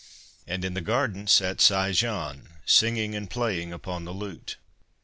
And in the garden sat Sai Jen, singing and playing upon the lute.